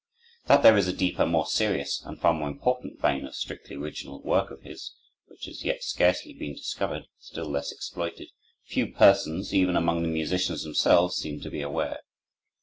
That there is a deeper, more serious, and far more important vein of strictly original work of his, which has as yet scarcely been discovered, still less exploited, few persons, even among the musicians themselves, seem to be aware.